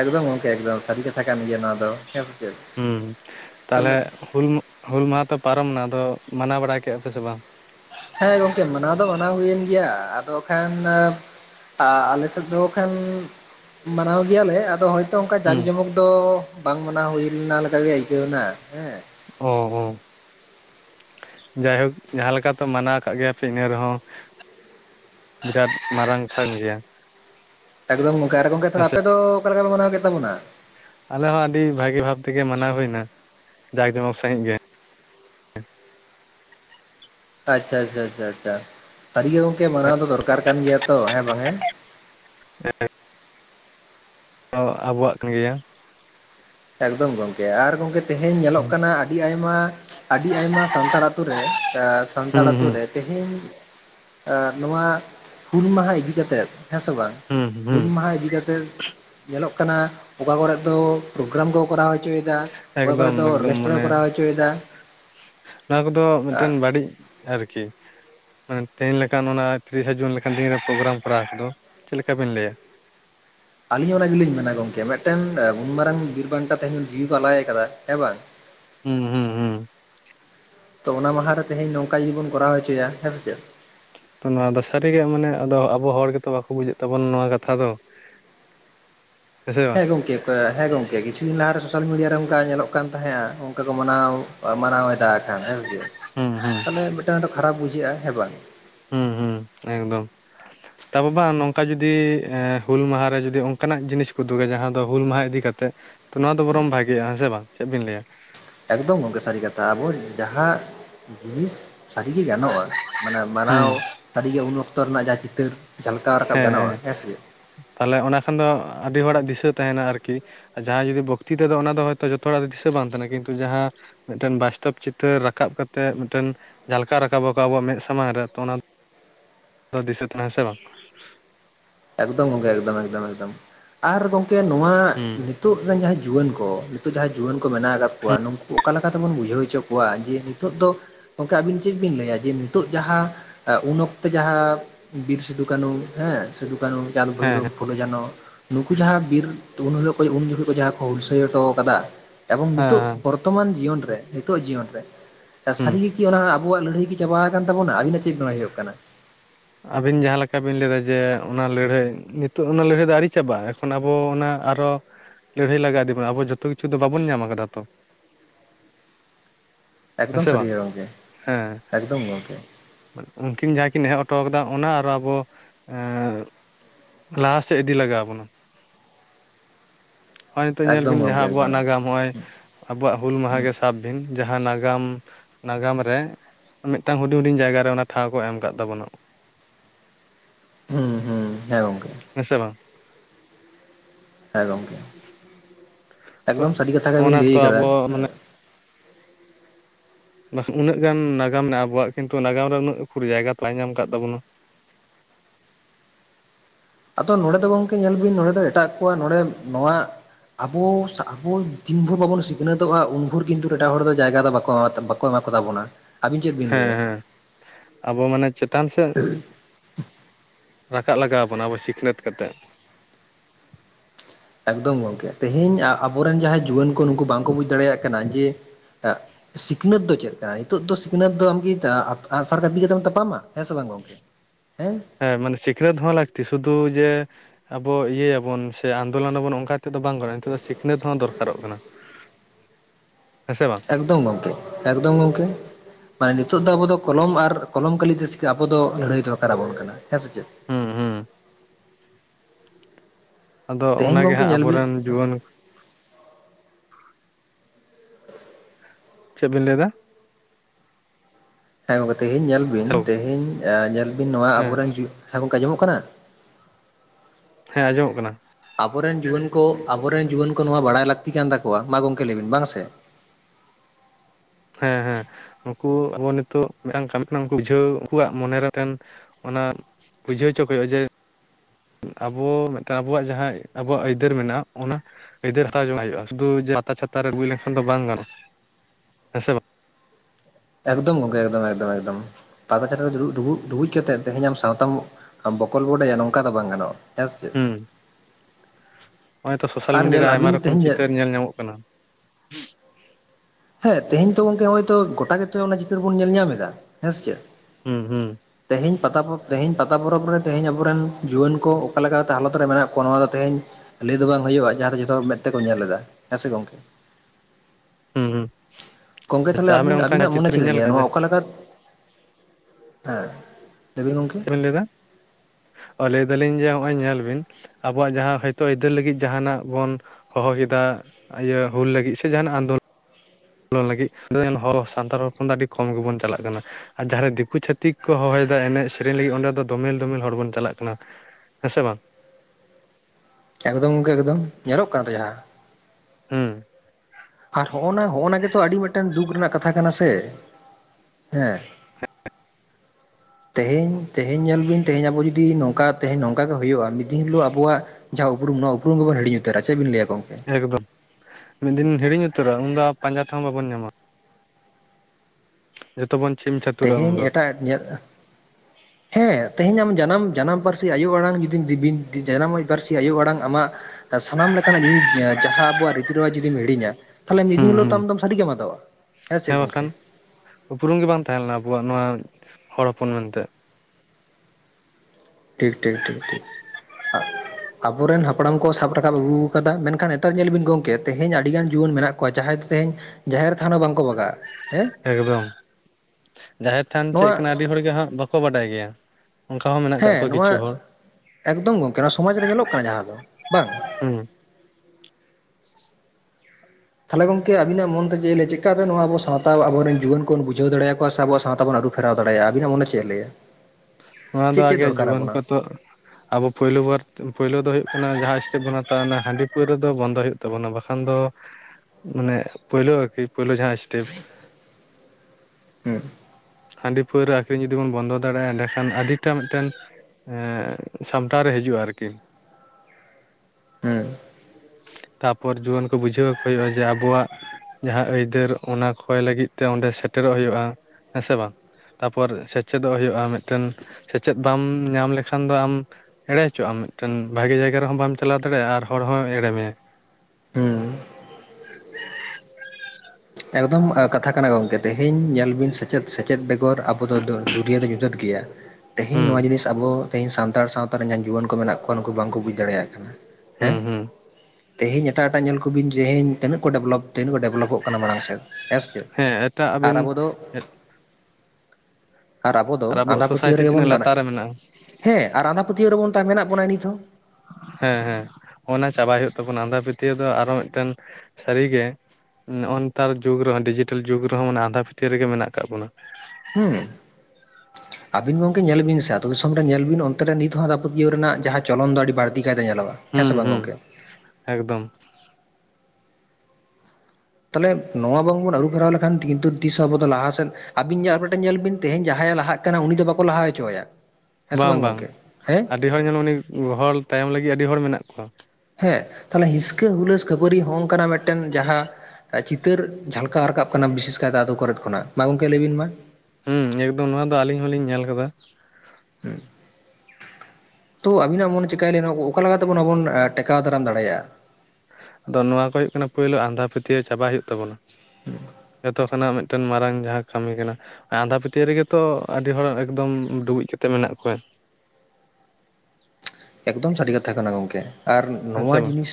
ᱮᱠᱫᱚᱢ ᱜᱚᱝᱠᱮ ᱮᱠᱫᱚᱢ ᱥᱟᱹᱨᱤ ᱠᱟᱛᱷᱟ ᱠᱟᱱ ᱜᱮᱭᱟ ᱱᱚᱣᱟ ᱫᱚ ᱦᱮᱸ ᱥᱮ ᱪᱮᱫ ᱦᱩᱸ ᱛᱟᱦᱚᱞᱮ ᱦᱩᱞ ᱢᱟᱦᱟ ᱛᱚ ᱯᱟᱨᱚᱢᱱᱟ ᱟᱫᱚ ᱢᱟᱱᱟᱣ ᱵᱟᱲᱟ ᱠᱮᱫ-ᱟ ᱯᱮ ᱥᱮ ᱵᱟᱝ? ᱦᱮᱸ ᱜᱚᱝᱠᱮ ᱢᱟᱱᱟᱣ ᱫᱚ ᱢᱟᱱᱟᱣ ᱦᱩᱭᱮᱱ ᱜᱮᱭᱟ ᱟᱫᱚ ᱠᱷᱟᱱ ᱟᱞᱮ ᱥᱮᱫ ᱫᱚ ᱠᱷᱟᱱ ᱢᱟᱱᱟᱣ ᱜᱮᱭᱟᱞᱮ ᱟᱫᱚ ᱚ ᱚᱱᱠᱟ ᱡᱟᱠ ᱦᱩᱸ ᱡᱚᱢᱚᱠ ᱫᱚ ᱵᱟᱝ ᱢᱟᱱᱟᱣ ᱦᱩᱭ ᱞᱮᱱᱟ ᱞᱮᱠᱟᱜ ᱜᱮ ᱟᱹᱭᱠᱟᱹᱣ ᱮᱱᱟ ᱦᱮᱸ ᱚᱸ ᱦᱩᱸ ᱡᱟᱭᱦᱳᱠ ᱡᱟᱦᱟᱸ ᱞᱮᱠᱟ ᱛᱚ ᱢᱟᱱᱟᱣ ᱠᱟᱜ ᱜᱮᱭᱟᱯᱮ ᱤᱱᱟᱹ ᱨᱮᱦᱚᱸ ᱵᱤᱨᱟᱴ ᱢᱟᱨᱟᱝ ᱥᱟᱨ ᱜᱮᱭᱟ ᱮᱠᱫᱚᱢ ᱜᱚᱝᱠᱮ ᱟᱨ ᱜᱚᱝᱠᱮ ᱦᱮᱸᱥᱮ ᱟᱯᱮ ᱫᱚ ᱚᱠᱟ ᱞᱮᱠᱟ ᱯᱮ ᱢᱟᱱᱟᱣ ᱠᱮᱫ ᱛᱟᱵᱚᱱᱟ? ᱟᱞᱮ ᱦᱚᱸ ᱟᱹᱰᱤ ᱵᱷᱟᱹᱜᱤ ᱵᱷᱟᱵ ᱛᱮᱜᱮ ᱢᱟᱱᱟᱣ ᱦᱩᱭ ᱮᱱᱟ ᱡᱟᱠ ᱡᱚᱢᱚᱠ ᱥᱟᱺᱦᱤᱡᱽ ᱜᱮ ᱟᱪᱪᱷᱟ ᱟᱪᱪᱷᱟ ᱟᱪᱪᱷᱟ ᱟᱪᱪᱷᱟ ᱥᱟᱹᱨᱤ ᱜᱚᱝᱠᱮ ᱢᱟᱱᱟᱣ ᱫᱚ ᱫᱚᱨᱠᱟᱨ ᱠᱟᱱ ᱜᱮᱭᱟ ᱛᱚ ᱦᱮᱸ ᱵᱟᱝ ᱦᱮᱸ [unintelligible] ᱟᱵᱚᱣᱟᱜ ᱠᱟᱱ ᱜᱮᱭᱟ᱾ ᱮᱠᱫᱚᱢ ᱜᱚᱝᱠᱮ ᱟᱨ ᱜᱚᱝᱠᱮ ᱛᱮᱦᱮᱧ ᱧᱮᱞᱚᱜ ᱦᱩᱸ ᱠᱟᱱᱟ ᱟᱹᱰᱤ ᱟᱭᱢᱟ ᱟᱹᱰᱤ ᱟᱭᱢᱟ ᱥᱟᱱᱛᱟᱲ ᱟᱹᱛᱩ ᱨᱮ ᱥᱟᱱᱛᱟᱲ ᱦᱩᱸ ᱟᱹᱛᱩ ᱦᱩᱸ ᱨᱮ ᱛᱮᱦᱮᱧ ᱱᱚᱣᱟ ᱦᱩᱞ ᱢᱟᱸᱦᱟ ᱤᱫᱤ ᱠᱟᱛᱮᱫ ᱦᱮᱸ ᱥᱮ ᱵᱟᱝ ᱦᱩᱸ ᱦᱩᱸ ᱦᱩᱞ ᱢᱟᱸᱦᱟ ᱤᱫᱤ ᱠᱟᱛᱮ ᱧᱮᱞᱚᱜ ᱠᱟᱱᱟ ᱚᱠᱟ ᱠᱚᱨᱮ ᱫᱚ ᱯᱨᱳᱜᱨᱟᱢ ᱠᱚ ᱠᱚᱨᱟᱣ ᱦᱚᱪᱚᱭ ᱮᱫᱟ ᱚᱠᱟ ᱠᱚᱨᱮ ᱮᱠᱫᱚᱢ ᱫᱚ ᱮᱠᱫᱚᱢ ᱚᱨᱠᱮᱥᱴᱨᱟ ᱠᱚ ᱢᱟᱱᱮ ᱠᱚᱨᱟᱣ ᱦᱚᱪᱚᱭ ᱮᱫᱟ ᱱᱚᱣᱟ ᱠᱚᱫᱚ ᱢᱤᱫᱴᱮᱱ ᱵᱟᱹᱲᱤᱡ ᱟᱨᱠᱤ ᱢᱟᱱᱮ ᱛᱮᱦᱮᱧ ᱞᱮᱠᱟᱱ ᱚᱱᱟ ᱛᱤᱨᱤᱥᱮ ᱡᱩᱱ ᱞᱮᱠᱟᱱ ᱫᱤᱱ ᱨᱮᱱ ᱯᱨᱳᱜᱨᱟᱢ ᱠᱚᱨᱟᱣ ᱠᱚᱫᱚ ᱪᱮᱫ ᱞᱮᱠᱟᱵᱤᱱ ᱞᱟᱹᱭᱟ᱾ ᱟᱞᱤᱧ ᱚᱱᱟ ᱜᱮᱞᱤᱧ ᱢᱮᱱᱟ ᱜᱚᱝᱠᱮ ᱢᱤᱫᱴᱮᱱ ᱩᱱ ᱢᱟᱨᱟᱝ ᱵᱤᱨ ᱵᱟᱱᱴᱟ ᱛᱮᱦᱮᱧ ᱡᱤᱣᱤ ᱠᱚ ᱟᱞᱟᱭ ᱟᱠᱟᱫᱟ ᱦᱮᱸ ᱵᱟᱝ [inaudible] ᱦᱩᱸ ᱦᱩᱸ ᱦᱩᱸ ᱛᱚ ᱚᱱᱟ ᱢᱟᱦᱟ ᱨᱮ ᱛᱮᱦᱤᱧ ᱱᱚᱝᱠᱟ ᱡᱚᱫᱤ ᱵᱚᱱ ᱠᱚᱨᱟᱣ ᱦᱚᱪᱚᱭᱟ ᱦᱮᱸ ᱥᱮ ᱪᱮᱫ ᱛᱚ ᱱᱚᱣᱟ ᱫᱚ ᱥᱟᱹᱨᱤᱜᱮ ᱢᱟᱱᱮ ᱟᱫᱚ ᱟᱵᱚ ᱦᱚᱲ ᱜᱮᱛᱚ ᱵᱟᱠᱚ ᱵᱩᱡᱷᱟᱹᱜ ᱛᱟᱵᱚᱱ ᱱᱚᱣᱟ ᱠᱟᱛᱷᱟ ᱫᱚ ᱦᱮᱸ ᱥᱮ ᱵᱟᱝ? ᱮ ᱜᱚᱝᱠᱮ ᱦᱮᱸ ᱜᱚᱝᱠᱮ ᱠᱤᱪᱷᱩ ᱫᱤᱱ ᱞᱟᱦᱟᱨᱮ ᱥᱳᱥᱟᱞ ᱢᱤᱰᱤᱭᱟ ᱨᱮ ᱚᱱᱠᱟ ᱧᱮᱞᱚᱜ ᱠᱟᱱ ᱛᱟᱦᱮᱸᱜᱼᱟ ᱚᱱᱠᱟ ᱠᱚ ᱢᱟᱱᱟᱣ ᱢᱟᱱᱟᱣ ᱮᱫᱟ ᱦᱮᱸᱥᱮ ᱜᱮ ᱦᱩᱸ ᱦᱩᱸ ᱛᱟᱦᱚᱞᱮ ᱢᱤᱫᱴᱟᱝ ᱫᱚ ᱠᱷᱟᱨᱟᱯ ᱵᱩᱡᱷᱟᱹᱜᱼᱟ ᱦᱮᱸ ᱵᱟᱝ ᱦᱩᱸ ᱦᱩᱸ ᱮᱠᱫᱚᱢ ᱛᱟᱵᱮ ᱵᱟᱝ ᱱᱚᱝᱠᱟ ᱡᱩᱫᱤ ᱦᱩᱞ ᱢᱟᱦᱟ ᱨᱮ ᱡᱩᱫᱤ ᱚᱱᱠᱟᱱᱟᱜ ᱡᱤᱱᱤᱥ ᱠᱚ ᱩᱫᱩᱜᱟ ᱡᱟᱦᱟᱸ ᱫᱚ ᱦᱩᱞ ᱢᱟᱦᱟ ᱤᱫᱤ ᱠᱟᱛᱮᱫ ᱛᱚ ᱱᱚᱣᱟ ᱫᱚ ᱵᱚᱨᱚᱢ ᱵᱷᱟᱜᱤᱜᱼᱟ ᱦᱮᱸ ᱥᱮ ᱵᱟᱝ ᱪᱮᱫ ᱵᱤᱱ ᱞᱟᱹᱭᱟ ᱮᱠᱫᱚᱢ ᱜᱚᱢᱠᱮ ᱥᱟᱹᱨᱤ ᱠᱟᱛᱷᱟ ᱟᱵᱚ ᱡᱟᱦᱟᱸ ᱡᱤᱱᱤᱥ ᱥᱟᱹᱨᱤᱜᱮ ᱜᱟᱱᱚᱜᱼᱟ ᱢᱟᱱᱮ ᱦᱩᱸ ᱢᱟᱱᱟᱣ ᱥᱟᱹᱨᱤᱜᱮ ᱩᱱ ᱚᱠᱛᱚ ᱨᱮᱱᱟᱜ ᱡᱟᱦᱟᱸ ᱪᱤᱛᱟᱹᱨ ᱡᱷᱟᱞᱠᱟᱣ ᱨᱟᱠᱟᱵ ᱦᱮᱸ ᱦᱮᱸ ᱜᱟᱱᱚᱜᱼᱟ ᱥᱮ ᱛᱟᱦᱞᱮ ᱚᱱᱟ ᱠᱷᱟᱱ ᱫᱚ ᱟᱹᱰᱤ ᱦᱚᱲᱟᱜ ᱫᱤᱥᱟᱹ ᱛᱟᱦᱮᱸᱱᱟ ᱟᱨᱠᱤ ᱟᱨ ᱡᱟᱦᱟᱸᱭ ᱡᱩᱫᱤ ᱵᱷᱚᱠᱛᱤ ᱛᱚ ᱫᱚ ᱚᱱᱟ ᱫᱚ ᱦᱚᱭᱛᱳ ᱡᱚᱛᱚ ᱦᱚᱲᱟᱜ ᱫᱚ ᱫᱤᱥᱟᱹ ᱵᱟᱝ ᱛᱟᱦᱮ ᱠᱤᱱᱛᱩ ᱡᱟᱦᱟᱸ ᱢᱤᱫᱴᱮᱱ ᱵᱟᱥᱛᱚᱵ ᱪᱤᱛᱟᱹᱨ ᱨᱟᱠᱟᱵᱽ ᱠᱟᱛᱮᱫ ᱢᱤᱫᱴᱮᱱ ᱡᱷᱟᱞᱠᱟ ᱨᱟᱠᱟᱵᱟ ᱠᱚ ᱟᱵᱚᱣᱟᱜ ᱢᱮᱫ ᱥᱟᱢᱟᱝ ᱨᱮ ᱛᱚ ᱚᱱᱟ ᱫᱤᱥᱟᱹᱜ ᱛᱟᱦᱮᱱᱟ ᱦᱮᱸ ᱥᱮ ᱵᱟᱝ [inaudible] ᱮᱠᱫᱚᱢ ᱜᱚᱝᱠᱮ ᱮᱠᱫᱚᱢ ᱮᱠᱫᱚᱢ ᱮᱠᱫᱚᱢ ᱟᱨ ᱜᱚᱝᱠᱮ ᱱᱚᱣᱟ ᱦᱩᱸ ᱱᱤᱛᱚᱜ ᱨᱮᱱ ᱡᱟᱦᱟᱸ ᱡᱩᱣᱟᱹᱱ ᱠᱚ ᱱᱤᱛᱚᱜ ᱡᱟᱦᱟᱸᱭ ᱡᱩᱣᱟᱹᱱ ᱠᱚ ᱢᱮᱱᱟᱜ ᱟᱠᱟᱫ ᱠᱚᱣᱟ ᱦᱩᱸ ᱱᱩᱠᱩ ᱚᱠᱟ ᱞᱮᱠᱟ ᱛᱮᱵᱚᱱ ᱵᱩᱡᱷᱟᱹᱣ ᱦᱚᱪᱚ ᱠᱚᱣᱟ ᱡᱮ ᱱᱤᱛᱚᱜ ᱫᱚ ᱜᱚᱝᱠᱮ ᱟᱹᱵᱤᱱ ᱪᱮᱫ ᱵᱤᱱ ᱞᱟᱹᱭᱟ ᱡᱮ ᱱᱤᱛᱚᱜ ᱡᱟᱦᱟᱸ ᱩᱱ ᱚᱠᱛᱮ ᱡᱟᱦᱟᱸ ᱵᱤᱨ ᱥᱤᱫᱩ ᱠᱟᱹᱱᱩ ᱦᱮᱸ ᱥᱤᱫᱩᱼ ᱠᱟᱹᱱᱩ ᱪᱟᱸᱫᱽ ᱦᱮᱸ ᱵᱷᱳᱭᱨᱚᱵ ᱦᱮᱸ ᱵᱷᱩᱞᱚ ᱡᱷᱟᱱᱚ ᱱᱩᱠᱩ ᱡᱟᱦᱟᱸ ᱵᱤᱨ ᱩᱱ ᱦᱤᱞᱳᱜ ᱩᱱ ᱡᱚᱠᱷᱚᱡ ᱡᱟᱦᱟᱸ ᱠᱚ ᱦᱩᱞᱥᱟᱹᱭ ᱦᱚᱴᱚ ᱠᱟᱫᱟ, ᱮᱵᱚᱝ ᱱᱤᱛᱚᱜ ᱦᱮᱸ ᱵᱚᱨᱛᱚᱢᱟᱱ ᱡᱤᱭᱚᱱ ᱨᱮ ᱱᱤᱛᱚᱜ ᱡᱤᱭᱚᱱ ᱨᱮ, ᱦᱩᱸ ᱥᱟᱹᱨᱤᱜᱮ ᱠᱤ ᱚᱱᱟ ᱟᱵᱚᱣᱟᱜ ᱞᱟᱹᱲᱦᱟᱹᱭ ᱜᱮ ᱪᱟᱵᱟ ᱟᱠᱟᱱ ᱛᱟᱵᱚᱱᱟ ᱟᱵᱤᱱᱟᱜ ᱪᱮᱫ ᱵᱟᱝ ᱦᱩᱭᱩᱜ ᱠᱟᱱᱟ? ᱟᱹᱵᱤᱱ ᱡᱟᱦᱟᱸ ᱞᱮᱠᱟ ᱵᱤᱱ ᱞᱟᱹᱭ ᱮᱫᱟ ᱡᱮ ᱚᱱᱟ ᱞᱟᱹᱲᱦᱟᱹᱭ ᱱᱤᱛᱚᱜ ᱚᱱᱟ ᱞᱟᱹᱲᱦᱟᱹᱭ ᱫᱚ ᱟᱹᱣᱨᱤ ᱪᱟᱵᱟᱜᱼᱟ᱾ ᱚᱱᱟ ᱟᱵᱚ ᱚᱱᱟ ᱟᱨᱚ ᱞᱟᱹᱲᱦᱟᱹᱭ ᱞᱟᱜᱟᱣ ᱤᱫᱤᱵᱚᱱᱟ ᱟᱵᱚ ᱡᱚᱛᱚ ᱠᱤᱪᱷᱩ ᱫᱚ ᱵᱟᱵᱚᱱ ᱧᱟᱢ ᱠᱟᱫᱟ ᱛᱚ᱾ ᱦᱮᱸ ᱮᱠᱫᱚᱢ ᱥᱮ ᱥᱟᱹᱨᱤ ᱵᱟᱝ ᱠᱟᱛᱷᱟ ᱜᱚᱢᱠᱮ ᱦᱮᱸ ᱮᱠᱫᱚᱢ ᱜᱚᱝᱠᱮ᱾ ᱩᱱᱠᱤᱱ ᱡᱟᱦᱟᱸ ᱠᱤᱱ ᱮᱦᱚᱵ ᱦᱚᱴᱚ ᱠᱟᱫᱟ ᱚᱱᱟ ᱟᱨᱚ ᱟᱵᱚ ᱮᱸ ᱞᱟᱦᱟ ᱥᱮᱫ ᱤᱫᱤ ᱞᱟᱜᱟᱣ ᱟᱵᱚᱱᱟ᱾ ᱱᱚᱜ ᱱᱤᱛᱚᱜ ᱧᱮᱞ ᱮᱠᱫᱚᱢ ᱵᱤᱱ ᱡᱟᱦᱟᱸ ᱜᱚᱢᱠᱮ ᱟᱵᱚᱣᱟᱜ ᱮᱠᱫᱚᱢ ᱱᱟᱜᱟᱢ ᱱᱚᱜᱚᱭ ᱟᱵᱚᱣᱟᱜ ᱦᱩᱞ ᱢᱟᱦᱟ ᱜᱮ ᱥᱟᱵ ᱵᱤᱱ ᱡᱟᱦᱟᱸ ᱱᱟᱜᱟᱢ ᱱᱟᱜᱟᱢ ᱨᱮ ᱢᱤᱫᱴᱟᱝ ᱦᱩᱰᱤᱧ ᱦᱩᱰᱤᱧ ᱡᱟᱭᱜᱟ ᱨᱮ ᱚᱱᱟ ᱴᱷᱟᱶ ᱠᱚ ᱮᱢ ᱟᱠᱟᱫ ᱛᱟᱵᱚᱱᱟ᱾ ᱦᱩᱸ ᱦᱩᱸ ᱦᱮᱸ ᱜᱚᱢᱠᱮ᱾ ᱦᱮᱸ ᱥᱮ ᱵᱟᱝ? ᱦᱮᱸ ᱜᱚᱝᱠᱮ ᱛᱚ ᱮᱠᱫᱚᱢ ᱥᱟᱹᱨᱤ ᱠᱟᱛᱷᱟ ᱚᱱᱟ ᱜᱮᱵᱤᱱ ᱞᱟᱹᱭ ᱠᱚᱫᱚ ᱟᱠᱟᱫᱟ ᱟᱵᱚ ᱢᱟᱱᱮ ᱦᱮᱸ᱾ ᱵᱟᱝ ᱩᱱᱟᱹᱜ ᱜᱟᱱ ᱱᱟᱜᱟᱢ ᱢᱮᱱᱟᱜᱼᱟ ᱟᱵᱚᱣᱟᱜ ᱠᱤᱱᱛᱩ ᱱᱟᱜᱟᱢ ᱨᱮ ᱩᱱᱟᱹᱜ ᱤᱠᱷᱩᱨ ᱡᱟᱭᱜᱟ ᱵᱟᱭ ᱧᱟᱢ ᱟᱠᱟᱜ ᱛᱟᱵᱚᱱᱟ᱾ ᱟᱫᱚ ᱱᱚᱸᱰᱮ ᱫᱚ ᱜᱚᱢᱠᱮ ᱧᱮᱞ ᱵᱤᱱ ᱱᱚᱰᱮ ᱫᱚ ᱮᱴᱟᱜ ᱠᱚᱣᱟᱜ ᱱᱚᱰᱮ ᱱᱚᱣᱟ, ᱟᱵᱚ ᱟᱵᱚ ᱫᱤᱱ ᱵᱷᱳᱨ ᱵᱟᱵᱚᱱ ᱥᱤᱠᱷᱱᱟᱹᱛᱚᱜᱼᱟ ᱩᱱᱵᱷᱨ ᱠᱤᱱᱛᱩ ᱮᱴᱟᱜ ᱦᱚᱲ ᱫᱚ ᱡᱟᱭᱜᱟ ᱫᱚ ᱵᱟᱠᱚ ᱠᱚ ᱮᱢᱟ ᱠᱚᱛᱟ ᱵᱚᱱᱟ᱾ ᱟᱹᱵᱤᱱ ᱪᱮᱫ ᱵᱤᱱ ᱦᱮᱸ ᱞᱟᱹᱭᱟ ᱦᱮᱸ ᱟᱵᱚ ᱢᱟᱱᱮ ᱪᱮᱛᱟᱱ ᱥᱮᱫ ᱨᱟᱠᱟᱵ ᱞᱟᱜᱟᱣ ᱵᱚᱱᱟ ᱟᱵᱚ ᱥᱤᱠᱷᱱᱟᱹᱛ ᱠᱟᱛᱮᱜ᱾ ᱮᱠᱫᱚᱢ ᱜᱚᱢᱠᱮ ᱛᱮᱦᱤᱧ ᱟᱵᱚᱨᱮᱱ ᱡᱟᱦᱟᱸᱭ ᱡᱩᱣᱟᱹᱱ ᱠᱚ ᱱᱩᱠᱩ ᱵᱟᱝᱠᱚ ᱵᱩᱡᱽ ᱫᱟᱲᱮᱭᱟᱜ ᱠᱟᱱᱟ ᱡᱮ ᱥᱤᱠᱷᱱᱟᱹᱛ ᱫᱚ ᱪᱮᱫ ᱠᱟᱱᱟ ᱦᱤᱛᱚᱜ ᱫᱚ ᱥᱤᱠᱷᱱᱟᱹᱛ ᱫᱚ ᱟᱢ ᱟᱸᱜᱼᱥᱟᱨ ᱠᱟᱯᱤ ᱠᱟᱛᱮᱢ ᱛᱟᱯᱟᱢᱟ ᱦᱮᱸ ᱥᱮ ᱵᱟᱝ ᱜᱚᱝᱠᱮ? ᱦᱮᱸ ᱦᱮᱸ ᱢᱟᱱᱮ ᱥᱤᱠᱷᱱᱟᱹᱛ ᱦᱚᱸ ᱞᱟᱹᱠᱛᱤ ᱥᱤᱫᱷᱩ ᱡᱮ ᱟᱵᱚ ᱤᱭᱟᱹ ᱟᱵᱚᱱ ᱥᱮ ᱟᱱᱫᱳᱞᱚᱱ ᱟᱵᱚᱱ ᱚᱱᱠᱟᱛᱮᱫ ᱫᱚ ᱵᱟᱝ ᱜᱟᱱᱚᱜᱼᱟ ᱱᱤᱛᱚᱜ ᱫᱚ ᱥᱤᱠᱷᱱᱟᱹᱛ ᱦᱚᱸ ᱫᱚᱨᱠᱟᱨᱚᱜ ᱠᱟᱱᱟ᱾ [inaudible] ᱦᱮᱸ ᱥᱮ ᱵᱟᱝ? ᱮᱠᱫᱚᱢ ᱜᱚᱢᱠᱮ ᱮᱠᱫᱚᱢ ᱜᱚᱢᱠᱮ᱾ ᱢᱟᱱᱮ ᱱᱤᱛᱚᱜ ᱫᱚ ᱟᱵᱚ ᱫᱚ ᱠᱚᱞᱚᱢ ᱟᱨ ᱠᱚᱞᱚᱢ ᱠᱟᱹᱞᱤ ᱛᱮ ᱟᱵᱚ ᱫᱚ ᱞᱟᱹᱲᱦᱟᱹᱭ ᱫᱚᱨᱠᱟ ᱨᱟᱵᱚᱱ ᱠᱟᱱᱟ, ᱦᱮᱸ ᱥᱮ ᱪᱮᱫ? ᱦᱩᱸ ᱦᱩᱸ᱾ ᱟᱫᱚ ᱛᱮᱦᱮᱧ ᱚᱱᱟᱜᱮ ᱜᱚᱢᱠᱮ ᱦᱟᱸᱜ ᱧᱮᱞ ᱵᱤᱱ ᱟᱵᱚᱨᱮᱱ ᱡᱩᱣᱟᱹᱱ ᱪᱮᱫ ᱵᱤᱱ ᱞᱟᱹᱭᱫᱟ? ᱦᱮᱸ ᱜᱚᱝᱠᱮ ᱛᱮᱦᱮᱧ ᱧᱮᱞ ᱵᱤᱱ ᱦᱮᱞᱳ ᱛᱮᱦᱮᱧ ᱧᱮᱞ ᱵᱤᱱ ᱱᱚᱣᱟ ᱦᱮᱸ ᱟᱵᱚᱨᱮᱱ ᱠᱩ ᱦᱮᱸ ᱜᱚᱝᱠᱮ ᱟᱸᱡᱚᱢᱚᱜ ᱠᱟᱱᱟ? ᱦᱮᱸ ᱟᱸᱡᱚᱢᱚᱜ ᱠᱟᱱᱟ᱾ ᱟᱵᱚᱨᱮᱱ ᱡᱩᱣᱟᱹᱱ ᱠᱚ ᱟᱵᱚᱨᱮᱱ ᱡᱩᱣᱟᱹᱱ ᱠᱚ ᱱᱚᱣᱟ ᱵᱟᱲᱟᱭ ᱞᱟᱹᱠᱛᱤ ᱠᱟᱱ ᱛᱟᱠᱚᱣᱟ ᱢᱟ ᱜᱚᱢᱠᱮ ᱞᱟᱹᱭᱵᱤᱱ ᱵᱟᱝ ᱥᱮ? ᱦᱮᱸ ᱦᱮᱸ ᱱᱩᱠᱩ ᱟᱵᱚ ᱱᱤᱛᱚᱜ ᱢᱤᱫᱴᱟᱝ ᱠᱟᱹᱢᱤ ᱠᱟᱱᱟ ᱩᱱᱠᱩ ᱵᱩᱡᱷᱟᱹᱣ ᱩᱱᱠᱩᱣᱟᱜ ᱢᱚᱱᱮᱨᱮ ᱢᱤᱫ ᱴᱮᱱ ᱚᱱᱟ ᱵᱩᱡᱷᱟᱹᱣ ᱦᱚᱪᱚ ᱠᱚ ᱦᱩᱭᱩᱜᱼᱟ ᱡᱮ ᱟᱵᱚ ᱢᱤᱫᱴᱟᱱ ᱟᱵᱚᱣᱟᱜ ᱡᱟᱦᱟᱸ ᱟᱵᱚᱣᱟᱜ ᱟᱹᱭᱫᱟᱹᱨ ᱢᱮᱱᱟᱜᱼᱟ, ᱚᱱᱟ ᱟᱹᱭᱫᱟᱹᱨ ᱦᱟᱛᱟᱣ ᱡᱚᱝᱼᱟ ᱦᱩᱭᱩᱜᱼᱟ ᱥᱩᱫᱩ ᱡᱮ ᱯᱟᱛᱟ ᱪᱷᱟᱛᱟ ᱨᱮ ᱟᱹᱜᱩᱭ ᱞᱮᱠᱷᱟᱱ ᱫᱚ ᱵᱟᱝ ᱜᱟᱱᱚᱜ-ᱟ᱾ ᱦᱮ ᱥᱮ ᱵᱟᱝ? ᱮᱠᱫᱚᱢ ᱜᱚᱢᱠᱮ ᱮᱠᱫᱚᱢ ᱮᱠᱫᱚᱢ ᱮᱠᱫᱚᱢ᱾ ᱯᱟᱛᱟ ᱪᱷᱟᱛᱟ ᱨᱮ ᱫᱩᱲᱩᱜ ᱰᱩᱵᱩᱡ ᱠᱟᱛᱮᱜ ᱛᱮᱦᱮᱧ ᱟᱢ ᱥᱟᱶᱛᱟᱢ ᱵᱚᱠᱚᱞ ᱵᱚᱰᱟᱭᱟ ᱱᱚᱝᱠᱟ ᱫᱚ ᱵᱟᱝ ᱜᱟᱱᱚᱜᱼᱟ᱾ ᱦᱮ ᱥᱮ ᱪᱮᱫ? ᱦᱚᱸᱜᱼᱚᱭ ᱛᱚ ᱥᱳᱥᱟᱞ ᱟᱨ ᱢᱤᱰᱤᱭᱟ ᱧᱮᱞ ᱨᱮ ᱟᱭᱢᱟ ᱟᱹᱵᱤᱱ ᱨᱚᱠᱚᱢ ᱛᱮᱦᱮᱧ ᱪᱤᱛᱟᱹᱨ ᱧᱮᱞ ᱧᱟᱢᱚᱜ ᱠᱟᱱᱟ᱾ ᱦᱮᱸ ᱛᱮᱦᱮᱧ ᱛᱚ ᱜᱚᱝᱠᱮ ᱦᱚᱜᱚᱭ ᱛᱚ ᱜᱚᱴᱟ ᱜᱮᱛᱚ ᱚᱱᱟ ᱪᱤᱛᱟᱹᱨ ᱵᱚᱱ ᱧᱮᱞ ᱧᱟᱢ ᱮᱫᱟ, ᱦᱮᱸᱥᱮ ᱪᱮᱫ? ᱦᱩᱸ ᱦᱩᱸ᱾ ᱛᱮᱦᱤᱧ ᱯᱟᱛᱟ ᱯᱚᱯ ᱛᱮᱦᱤᱧ ᱯᱟᱛᱟ ᱯᱚᱨᱚᱵᱽ ᱨᱮ ᱛᱮᱦᱤᱧ ᱟᱵᱚᱨᱮᱱ ᱡᱩᱣᱟᱹᱱ ᱠᱚ ᱚᱠᱟ ᱞᱮᱠᱟᱛᱮ ᱦᱟᱞᱚᱛ ᱨᱮ ᱢᱮᱱᱟᱜ ᱠᱚᱣᱟ ᱱᱚᱣᱟ ᱫᱚ ᱛᱮᱦᱤᱧ ᱞᱟᱹᱭ ᱫᱚ ᱵᱟᱝ ᱦᱩᱭᱩᱜᱼᱟ ᱡᱟᱦᱟᱸ ᱫᱚ ᱡᱚᱛᱚ ᱦᱚᱲ ᱢᱮᱫ ᱛᱮᱠᱚ ᱧᱮᱞ ᱮᱫᱟ, ᱦᱮᱸ ᱥᱮ ᱜᱚᱝᱠᱮ? ᱦᱮᱸ ᱦᱩᱸ᱾ ᱜᱚᱝᱠᱮ ᱛᱟᱦᱚᱞᱮ ᱟᱪᱪᱷᱟ ᱟᱢ ᱟᱵᱤᱱ ᱚᱱᱠᱟᱱᱟᱜ ᱟᱱᱤᱟᱜ ᱢᱚᱱᱮ ᱪᱤᱛᱟᱹᱨᱤᱧ ᱪᱮᱫ ᱮ ᱧᱮᱞ ᱞᱮᱭᱟ ᱟᱠᱟᱫᱟ ᱱᱚᱣᱟ ᱚᱠᱟᱞᱮᱠᱟ ᱦᱮᱸ ᱞᱟᱹᱭᱵᱤᱱ ᱜᱚᱝᱠᱮ ᱪᱮᱜ ᱵᱤᱱ ᱞᱮᱭᱫᱟ? [inaudible] ᱞᱟᱹᱭ ᱫᱟᱞᱤᱧ ᱡᱮ ᱦᱚᱜᱼᱚᱭ ᱧᱮᱞ ᱵᱤᱱ ᱟᱵᱚᱣᱟᱜ ᱡᱟᱦᱟᱸ ᱦᱚᱭᱛᱳ ᱟᱹᱭᱫᱟᱹᱨ ᱞᱟᱹᱜᱤᱫ ᱡᱟᱦᱟᱸ ᱱᱟᱜ ᱵᱚᱱ ᱦᱚᱦᱚ ᱠᱮᱫᱟ ᱤᱭᱟᱹ ᱦᱩᱞ ᱞᱟᱹᱜᱤᱫ ᱥᱮ, ᱡᱟᱦᱟᱱᱟᱜ ᱟᱱᱫᱳᱞᱚᱱ᱾ ᱞᱳᱱ ᱞᱟᱹᱜᱤᱜ ᱦᱚᱲ ᱥᱟᱱᱛᱟᱲ ᱦᱚᱯᱚᱱ ᱫᱚ ᱟᱹᱰᱤ ᱠᱚᱢ ᱜᱮᱵᱚᱱ ᱪᱟᱞᱟᱜ ᱠᱟᱱᱟ᱾ ᱟᱨ ᱡᱟᱦᱟᱸᱨᱮ ᱫᱤᱠᱩ ᱪᱷᱟᱹᱛᱤᱠ ᱠᱚ ᱦᱚᱦᱚᱭᱫᱟ, ᱮᱱᱮᱡ ᱥᱮᱨᱮᱧ ᱞᱟᱹᱜᱤᱜ ᱚᱸᱰᱮ ᱫᱚ ᱫᱚᱢᱮᱞ ᱫᱚᱢᱮᱞ ᱦᱚᱲ ᱵᱚᱱ ᱪᱟᱞᱟᱜ ᱠᱟᱱᱟ᱾ ᱦᱮᱸ ᱥᱮ ᱵᱟᱝ? ᱮᱠᱫᱚᱢ ᱜᱚᱢᱠᱮ ᱮᱠᱫᱚᱢ ᱧᱮᱞᱚᱜ ᱠᱟᱱᱟ ᱛᱚ ᱡᱟᱦᱟᱸ᱾ ᱦᱩᱸᱻ᱾ ᱟᱨ ᱦᱚᱜᱼᱱᱟ ᱦᱚᱜᱼᱱᱟ ᱜᱮᱛᱚ ᱟᱹᱰᱤ ᱢᱤᱫᱴᱮᱝ ᱫᱩᱠ ᱨᱮᱱᱟᱜ ᱠᱟᱛᱷᱟ ᱠᱟᱱᱟ, ᱥᱮ ᱦᱮᱸᱻ᱾ ᱛᱮᱦᱮᱧ ᱛᱮᱦᱮᱧ ᱧᱮᱞ ᱵᱤᱱ ᱛᱮᱦᱤᱧ ᱟᱵᱚ ᱡᱩᱫᱤ ᱱᱚᱝᱠᱟ, ᱛᱮᱦᱮᱧ ᱱᱚᱝᱠᱟ ᱜᱮ ᱦᱩᱭᱩᱜᱼᱟ ᱢᱤᱫ ᱫᱤᱱ ᱦᱤᱞᱳᱜ ᱟᱵᱚᱣᱟᱜ ᱡᱟᱦᱟᱸ ᱩᱯᱩᱨᱩᱢ ᱱᱚᱣᱟ ᱩᱯᱩᱨᱩᱢ ᱜᱮᱵᱚᱱ ᱦᱤᱲᱤᱧ ᱩᱛᱟᱹᱨᱟ᱾ ᱪᱮᱜ ᱵᱤᱱ ᱞᱟᱹᱭᱟ ᱜᱚᱝᱠᱮ ᱮᱠᱫᱚᱢ ᱢᱤᱫ ᱫᱤᱱ ᱦᱤᱲᱤᱧ ᱩᱛᱟᱹᱨᱟ ᱩᱱᱫᱚ ᱯᱟᱸᱡᱟ ᱛᱮᱦᱚᱸ ᱵᱟᱵᱚᱱ ᱧᱟᱢᱟ᱾ ᱡᱷᱚᱛᱚ ᱵᱚᱱ ᱪᱷᱤᱢ ᱪᱷᱟ ᱛᱮᱦᱮᱧ ᱮᱴᱟᱜ ᱧᱮᱞ ᱦᱮᱸ ᱛᱮᱦᱮᱧ ᱟᱢ ᱡᱟᱱᱟᱢ ᱡᱟᱱᱟᱢ ᱯᱟᱹᱨᱥᱤ ᱟᱭᱳ ᱟᱲᱟᱝ ᱡᱩᱫᱤ ᱡᱟᱱᱟᱢ ᱯᱟᱹᱨᱥᱤ ᱟᱭᱳ ᱟᱲᱟᱝ ᱟᱢᱟᱜ ᱥᱟᱱᱟᱢ ᱞᱮᱠᱟᱱᱟᱜ ᱡᱩᱫᱤ ᱡᱟᱦᱟᱸ ᱟᱵᱚᱣᱟᱜ ᱨᱤᱛᱤ ᱨᱮᱣᱟᱡᱽ ᱡᱩᱫᱤᱢ ᱦᱤᱲᱤᱧᱟ ᱛᱟᱦᱚᱞᱮ ᱢᱤᱫ ᱦᱩᱸ ᱫᱤᱱ ᱦᱤᱞᱳᱜ ᱦᱩᱸ ᱛᱟᱢ ᱫᱚᱢ ᱥᱟᱹᱨᱤ ᱜᱮᱢ ᱟᱫᱚᱟ᱾ ᱦᱮᱸ ᱵᱟᱠᱷᱟᱱ ᱩᱯᱨᱩᱢ ᱜᱮ ᱵᱟᱝ ᱛᱟᱦᱮᱸᱞᱮᱱᱟ ᱟᱵᱚᱣᱟᱜ ᱱᱚᱣᱟ ᱦᱚᱲ ᱦᱚᱯᱚᱱ ᱢᱮᱱᱛᱮ ᱾ ᱴᱷᱤᱠ ᱴᱷᱤᱠ ᱴᱷᱤᱠ ᱴᱷᱤᱠ ᱾ ᱟᱵᱚᱨᱮᱱ ᱦᱟᱯᱲᱟᱢ ᱠᱚ ᱥᱟᱵ ᱨᱟᱠᱟᱵ ᱟᱹᱜᱩ ᱟᱠᱟᱫᱟ ᱢᱮᱱᱠᱷᱟᱱ ᱱᱮᱛᱚᱜ ᱧᱮᱞ ᱵᱤᱱ ᱜᱚᱢᱠᱮ ᱛᱮᱦᱮᱧ ᱟᱹᱰᱤᱜᱟᱱ ᱡᱩᱣᱟᱹᱱ ᱢᱮᱱᱟᱜ ᱠᱚᱣᱟ ᱡᱟᱦᱟᱸᱭ ᱫᱚ ᱛᱮᱦᱤᱧ ᱡᱟᱦᱮᱨ ᱛᱷᱟᱱ ᱦᱚᱸ ᱵᱟᱝᱠᱚ ᱵᱟᱜᱟᱜᱼᱟ ᱾ ᱮᱠᱫᱚᱢ, ᱡᱟᱦᱮᱨ ᱛᱷᱟᱱ ᱱᱚᱣᱟ ᱪᱮᱫ ᱠᱟᱱᱟ, ᱟᱹᱰᱤ ᱦᱚᱲᱜᱮ ᱦᱟᱸᱜ ᱵᱟᱠᱚ ᱵᱟᱰᱟᱭ ᱜᱮᱭᱟ ᱾ ᱦᱮᱸ ᱱᱚᱣᱟ ᱮᱠᱫᱚᱢ ᱜᱚᱝᱠᱮ ᱱᱚᱣᱟ ᱥᱚᱢᱟᱡ ᱨᱮ ᱧᱮᱞᱚᱜ ᱠᱟᱱᱟ ᱡᱟᱦᱟᱸ ᱫᱚ ᱵᱟᱝ ᱾ ᱦᱩᱸ ᱛᱟᱦᱞᱮ ᱜᱚᱝᱠᱮ ᱟᱹᱵᱤᱱᱟᱜ ᱢᱚᱱᱨᱮ ᱡᱮᱞᱮ ᱪᱮᱠᱟ ᱛᱮ ᱱᱚᱣᱟ ᱟᱵᱚ ᱥᱟᱶᱛᱟ ᱟᱵᱚ ᱨᱮᱱ ᱡᱩᱣᱟᱹᱱ ᱠᱚ ᱵᱚᱱ ᱵᱩᱡᱷᱟᱹᱣ ᱫᱟᱲᱮᱭᱟᱠᱚ ᱥᱮ ᱟᱵᱚᱣᱟᱜ ᱥᱟᱶᱛᱟ ᱵᱚᱱ ᱟᱹᱨᱩᱵ ᱾ ᱯᱷᱮᱨᱟᱣ ᱫᱟᱲᱮᱭᱟᱜᱼᱟ ᱟᱹᱵᱤᱱᱟᱜ ᱢᱚᱱᱮ ᱪᱮᱫ ᱮ ᱞᱟᱹᱭᱟ ᱾ ᱱᱚᱣᱟ ᱫᱚ ᱟᱜᱮ ᱡᱩᱣᱟᱹᱱ ᱠᱚᱛᱚ ᱟᱵᱚ ᱯᱳᱭᱞᱩ ᱵᱟᱨ ᱯᱩᱭᱞᱳ ᱫᱚ ᱦᱩᱭᱩᱜ ᱠᱟᱱᱟ ᱡᱟᱦᱟᱸ ᱥᱴᱮᱯ ᱵᱚᱱ ᱦᱟᱛᱟᱣᱟ ᱚᱱᱟ ᱦᱟᱺᱰᱤ ᱯᱟᱹᱣᱨᱟᱹ ᱫᱚ ᱵᱚᱱᱫᱚ ᱦᱩᱭᱩᱜ ᱛᱟᱵᱚᱱᱟ ᱵᱟᱠᱷᱟᱱ ᱫᱚ ᱢᱟᱱᱮ ᱯᱳᱭᱞᱳ ᱟᱨᱠᱤ ᱯᱳᱭᱞᱳ ᱡᱟᱦᱟᱸ ᱥᱴᱮᱯ ᱦᱮᱸ ᱦᱟᱺᱰᱤ - ᱯᱟᱹᱣᱨᱟᱹ ᱟᱹᱷᱨᱤᱧ ᱡᱩᱫᱤ ᱵᱚᱱ ᱵᱚᱱᱫᱚ ᱫᱟᱲᱮᱭᱟᱜᱼᱟ, ᱮᱸᱰᱮᱠᱷᱟᱱ ᱟᱹᱰᱤᱴᱟᱜ ᱢᱤᱫᱴᱮᱱ᱾ ᱦᱮᱸ ᱥᱟᱢᱴᱟᱣ ᱨᱮ ᱦᱤᱡᱩᱜᱼᱟ ᱟᱨᱠᱤ ᱾ ᱦᱮᱸ᱾ ᱛᱟᱯᱚᱨ ᱡᱩᱣᱟᱹᱱ ᱠᱚ ᱵᱩᱡᱷᱟᱹᱣ ᱟᱠᱚ ᱦᱩᱭᱩᱜᱼᱟ ᱡᱮ ᱟᱵᱚᱣᱟᱜ ᱡᱟᱦᱟᱸ ᱟᱹᱭᱫᱟᱹᱨ ᱚᱱᱟ ᱠᱚᱭ ᱞᱟᱹᱜᱤᱫ ᱛᱮ ᱚᱸᱰᱮ ᱥᱮᱴᱮᱨᱚᱜ ᱦᱩᱭᱩᱜᱼᱟ ᱾ ᱦᱮᱸ ᱥᱮ ᱵᱟᱝ ᱛᱟᱨᱯᱚᱨ ᱥᱮᱪᱮᱫᱚᱜ ᱦᱩᱭᱩᱜᱼᱟ ᱢᱤᱫᱴᱮᱱ ᱥᱮᱪᱮᱫ ᱵᱟᱢ ᱧᱟᱢ ᱞᱮᱠᱷᱟᱱ ᱫᱚ ᱟᱢ ᱾ ᱮᱲᱮ ᱦᱚᱪᱚᱜᱼᱟᱢ ᱢᱤᱫᱴᱟᱹᱝ ᱵᱷᱟᱹᱜᱤ ᱡᱟᱭᱜᱟ ᱨᱮᱦᱚᱸ ᱵᱟᱢ ᱪᱟᱞᱟᱣ ᱫᱟᱲᱮᱭᱟᱜᱼᱟ ᱟᱨ ᱦᱚᱲ ᱦᱚᱸ ᱮᱲᱮᱢᱭᱟ ᱾ ᱦᱩᱸ ᱮᱠᱫᱚᱢ ᱠᱟᱛᱷᱟ ᱠᱟᱱᱟ ᱜᱚᱢᱠᱮ ᱛᱮᱦᱮᱧ ᱧᱮᱞ ᱵᱤᱱ ᱥᱮᱪᱮᱫ ᱥᱮᱪᱮᱫ ᱵᱮᱜᱚᱨ ᱟᱵᱚ ᱫᱚ ᱫᱩᱱᱭᱟᱹ ᱫᱚ ᱧᱩᱛᱟᱹᱛ ᱜᱮᱭᱟ ᱾ ᱛᱮᱦᱤᱧ ᱦᱩᱸ ᱱᱚᱣᱟ ᱡᱤᱱᱤᱥ ᱟᱵᱚ ᱥᱟᱱᱛᱟᱲ ᱛᱮᱦᱮᱧ ᱱᱚᱣᱟ ᱡᱤᱱᱤᱥ ᱟᱵᱚ ᱛᱮᱦᱮᱧ ᱥᱟᱱᱛᱟᱲ ᱥᱟᱶᱛᱟ ᱨᱮ ᱨᱮᱧᱟᱜ ᱡᱩᱣᱟᱹᱱ ᱠᱚ ᱢᱮᱱᱟᱜ ᱠᱚᱣᱟ ᱱᱩᱠᱩ ᱵᱟᱝ ᱠᱚ ᱵᱩᱡᱽ ᱫᱟᱲᱮᱭᱟᱜ᱾ ᱠᱟᱱᱟ᱾ ᱦᱮᱸ, ᱦᱩᱸ ᱦᱩᱸ ᱛᱮᱦᱮᱧ ᱮᱴᱟᱜ ᱮᱴᱟᱜ ᱧᱮᱞ ᱠᱚᱵᱤᱱ ᱡᱮᱦᱧ ᱛᱤᱱᱟᱹᱜ ᱠᱚ ᱰᱮᱵᱷᱞᱚᱯ ᱛᱤᱱ ᱠᱚ ᱰᱮᱵᱷᱞᱚᱯᱚᱜ ᱠᱟᱱᱟ ᱾ ᱚᱱᱟ ᱢᱟᱲᱟᱝ ᱥᱮᱫ ᱦᱮᱸᱥᱮ ᱪᱮᱫ ᱦᱮᱸ ᱮᱴᱟᱜ ᱟᱨ ᱟᱹᱵᱤᱱ ᱟᱵᱚ ᱫᱚ ᱾ ᱟᱨ ᱟᱵᱚ ᱫᱚ ᱟᱵᱚᱣᱟᱜ ᱟᱸᱫᱷᱟ ᱯᱟᱹᱛᱭᱟᱹᱣ ᱥᱳᱥᱟᱭᱴᱤ ᱨᱮᱜᱮ ᱵᱚᱱ ᱛᱤᱱᱟᱹᱜ ᱞᱟᱛᱟᱨ ᱫᱟᱱᱟᱜᱼᱟ ᱨᱮ ᱢᱮᱱᱟᱜᱼᱟ ᱾ ᱦᱮᱸ ᱟᱨ ᱟᱸᱫᱷᱟ ᱯᱟᱹᱛᱭᱟᱹᱣ ᱨᱮ ᱵᱚᱱ ᱛᱟᱭ ᱢᱮᱱᱟᱜ ᱵᱚᱱᱟ ᱱᱤᱛ ᱨᱮᱦᱚᱸ ᱾ ᱦᱮᱸ ᱦᱮᱸᱜᱼ ᱚᱱᱟ ᱪᱟᱵᱟᱭ ᱦᱩᱭᱩᱜ ᱛᱟᱵᱚᱱᱟ ᱟᱸᱫᱷᱟ ᱯᱟᱹᱛᱭᱟᱹᱣ ᱫᱚ ᱟᱨᱚ ᱢᱤᱫᱴᱮᱱ ᱥᱟᱹᱨᱤᱜᱮ ᱾ ᱱᱚᱜ ᱱᱮᱛᱟᱨ ᱡᱩᱜᱽ ᱨᱮᱦᱚᱸ ᱰᱤᱡᱤᱴᱮᱞ ᱡᱩᱜᱽ ᱨᱮᱦᱚᱸ ᱚᱱᱮ ᱟᱸᱫᱷᱟ ᱯᱟᱹᱛᱭᱟᱹᱣ ᱨᱮᱜᱮ ᱢᱮᱱᱟᱜ ᱟᱠᱟᱫ ᱵᱚᱱᱟ ᱾ ᱦᱩᱸ ᱟᱹᱵᱤᱱ ᱜᱚᱝᱠᱮ ᱧᱮᱞ ᱵᱤᱱ ᱥᱮ ᱟᱹᱛᱩ ᱫᱤᱥᱚᱢ ᱨᱮ ᱧᱮᱞ ᱵᱤᱱ ᱚᱱᱛᱮᱨᱮ ᱱᱤᱛ ᱦᱚᱸ ᱟᱸᱫᱷᱟ ᱯᱟᱹᱛᱭᱟᱹᱣ ᱨᱮᱱᱟᱜ ᱡᱟᱦᱟᱸ ᱪᱚᱞᱚᱱ ᱫᱚ ᱟᱹᱰᱤ ᱵᱟᱹᱲᱛᱤ ᱠᱟᱛᱮ ᱧᱮᱞᱚᱜ ᱠᱟᱱᱟ ᱾ ᱦᱮᱸ ᱥᱮ ᱦᱩᱸ ᱵᱟᱝ ᱦᱩᱸ ᱜᱚᱝᱠᱮ? ᱮᱠᱫᱚᱢ ᱛᱟᱦᱚᱞᱮ ᱱᱚᱣᱟ ᱵᱟᱝᱵᱚᱱ ᱟᱹᱨᱩ ᱯᱷᱮᱨᱟᱣ ᱞᱮᱠᱷᱟᱱ ᱠᱤᱱᱛᱩ ᱛᱤᱥ ᱦᱚᱸ ᱟᱵᱚ ᱫᱚ ᱞᱟᱦᱟ ᱥᱮᱫ ᱟᱵᱤᱱ ᱧᱮᱞ ᱟᱨ ᱢᱤᱫᱴᱮᱱ ᱧᱮᱞ ᱵᱤᱱ ᱛᱮᱦᱤᱧ ᱡᱟᱦᱟᱸᱭᱮ ᱞᱟᱦᱟᱜ ᱠᱟᱱᱟ ᱩᱱᱤ ᱫᱚ ᱵᱟᱠᱚ ᱞᱟᱦᱟ ᱦᱚᱪᱚ ᱟᱭᱟ ᱾ ᱵᱟᱝ ᱵᱟᱝ ᱟᱹᱰᱤ ᱦᱚᱲ ᱧᱮᱞ ᱢᱮ ᱩᱱᱤ ᱦᱚᱲ ᱛᱟᱭᱚᱢ ᱞᱟᱹᱜᱤᱫ ᱟᱹᱰᱤ ᱦᱚᱲ ᱢᱮᱱᱟᱜ ᱠᱚᱣᱟ᱾ ᱦᱮᱸ ᱛᱟᱦᱚᱞᱮ ᱦᱤᱥᱠᱟᱹ ᱦᱩᱞᱟᱹᱥ ᱠᱷᱟᱹᱯᱟᱹᱨᱤ ᱦᱚᱸ ᱟᱱᱠᱟᱱᱟᱜ ᱢᱤᱫᱴᱮᱱ ᱡᱟᱦᱟᱸ ᱾ ᱪᱤᱛᱟᱹᱨ ᱡᱷᱟᱞᱠᱟᱣ ᱨᱟᱠᱟᱵ ᱠᱟᱱᱟ ᱵᱤᱥᱮᱥ ᱠᱟᱭᱛᱮ ᱟᱛᱩ ᱠᱚᱨᱮᱫ ᱠᱷᱚᱱᱟᱜ ᱢᱟ ᱜᱚᱝᱠᱮ ᱞᱟᱹᱭᱵᱤᱱ ᱢᱟ ᱾ ᱦᱩᱸ ᱮᱠᱫᱚᱢ ᱱᱚᱣᱟ ᱫᱚ ᱟᱹᱞᱤᱧ ᱦᱚᱞᱤᱧ ᱧᱮᱞ ᱟᱠᱟᱫᱟ᱾ ᱦᱮᱸ ᱛᱚ ᱟᱹᱵᱤᱱᱟᱜ ᱢᱚᱱ ᱪᱮᱠᱟᱹᱭ ᱞᱟᱹᱭᱟ ᱱᱚᱣᱟ ᱚᱠᱟ ᱞᱮᱠᱟᱛᱮ ᱵᱚᱱ ᱟᱵᱚᱱ ᱴᱮᱠᱟᱣ ᱫᱟᱨᱟᱢ ᱫᱟᱲᱮᱭᱟᱜᱼᱟ᱾ ᱟᱫᱚ ᱱᱚᱣᱟ ᱠᱚ ᱦᱩᱭᱩᱜ ᱠᱟᱱᱟ ᱯᱩᱹᱭᱞᱩ ᱟᱸᱫᱷᱟ ᱯᱟᱹᱛᱭᱟᱹᱣ ᱪᱟᱵᱟ ᱦᱩᱭᱩᱜ ᱛᱟᱵᱚᱱᱟ ᱡᱚᱛᱚ᱾ ᱚᱱᱟ ᱢᱤᱫᱴᱟᱝ ᱢᱟᱨᱟᱝ ᱡᱟᱦᱟᱸ ᱠᱟᱹᱢᱤ ᱠᱟᱱᱟ᱾ ᱟᱸᱫᱷᱟ ᱯᱟᱹᱛᱭᱟᱹᱣ ᱨᱮᱜᱮ ᱛᱚ ᱟᱹᱰᱤ ᱦᱚᱲ ᱮᱠᱫᱚᱢ ᱰᱩᱵᱩᱡᱽ ᱠᱟᱛᱮᱫ ᱢᱮᱱᱟᱜ ᱠᱚᱣᱟ᱾ ᱮᱠᱫᱚᱢ ᱥᱟᱹᱨᱤ ᱠᱟᱛᱷᱟ ᱠᱟᱱᱟ ᱜᱚᱝᱠᱮ ᱟᱨ ᱦᱮᱸ ᱥᱮ ᱱᱚᱣᱟ ᱵᱟᱝ ᱡᱤᱱᱤᱥ᱾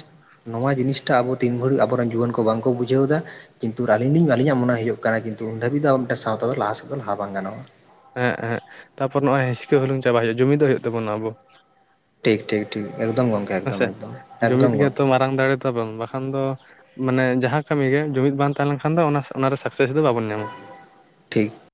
ᱱᱚᱣᱟ ᱡᱤᱱᱤᱥᱴᱟᱜ ᱟᱵᱚ ᱛᱤᱱ ᱵᱷᱩᱨ ᱟᱵᱚᱨᱮᱱ ᱡᱩᱣᱟᱹᱱ ᱠᱚ ᱵᱟᱝᱠᱚ ᱵᱩᱡᱷᱟᱹᱣ ᱮᱫᱟ᱾ ᱠᱤᱱᱛᱩ ᱟᱹᱞᱤᱧ ᱞᱤᱧ ᱟᱹᱞᱤᱧᱟᱜ ᱢᱚᱱᱮ ᱦᱩᱭᱩᱜ ᱠᱟᱱᱟ ᱠᱤᱱᱛᱩ ᱩᱱ ᱫᱷᱟᱹᱵᱤᱡ ᱫᱚ ᱢᱤᱫᱴᱟᱝ ᱥᱟᱶᱛᱟ ᱫᱚ ᱞᱟᱦᱟᱥᱮᱫ ᱫᱚ ᱞᱟᱦᱟ ᱵᱟᱝ ᱜᱟᱱᱚᱜᱼᱟ ᱾ ᱦᱮᱸᱜ ᱦᱮᱸᱜ ᱛᱟᱯᱚᱨ ᱱᱚᱜᱼᱚᱭ ᱦᱤᱸᱥᱠᱟᱹ ᱦᱩᱞᱩᱝ ᱪᱟᱵᱟᱭ ᱦᱩᱭᱩᱜᱼᱟ ᱡᱩᱢᱤᱫᱚᱜ ᱦᱩᱭᱩᱜ ᱛᱟᱵᱚᱱᱟ ᱟᱵᱚ᱾ ᱴᱷᱤᱠ ᱴᱷᱤᱠ ᱴᱷᱤᱠ ᱮᱠᱫᱚᱢ ᱜᱚᱝᱠᱮ ᱮᱠᱫᱚᱢ ᱮᱠᱫᱚᱢ ᱮᱠᱫᱚᱢ ᱜᱚᱝᱠᱮ ᱾ ᱵᱟᱝ ᱵᱟᱠᱷᱟᱱ ᱫᱚ ᱢᱟᱱᱮ ᱡᱟᱦᱟᱸ ᱠᱟᱹᱢᱤ ᱜᱮ ᱡᱩᱢᱤᱫ ᱵᱟᱝ ᱛᱟᱦᱮᱸ ᱞᱮᱱᱠᱷᱟᱱ ᱫᱚ ᱚᱱᱟ ᱚᱱᱟᱨᱮ ᱥᱟᱠᱥᱮᱥ ᱫᱚ ᱵᱟᱵᱚᱱ ᱧᱟᱢᱟ᱾ ᱴᱷᱤᱠ